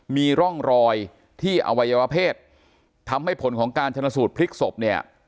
มีร่องรอยที่อวัยวเพศทำให้ผลของการชนสูตรพลิกศพเนี่ย